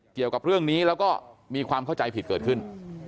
เกี่ยวกับเรื่องนี้แล้วก็มีความเข้าใจผิดเกิดขึ้น